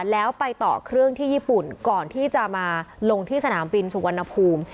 แล้วไปต่อเครื่องที่ญี่ปุ่นก่อนที่จะมาลงที่สนามบินสุวรรณภูมิ